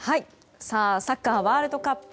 サッカーワールドカップ